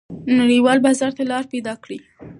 نړیوال بازار ته لار پیدا کړئ.